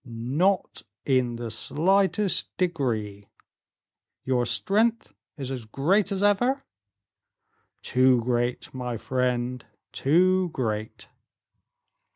"Not in the slightest degree." "Your strength is as great as ever?" "Too great, my friend, too great."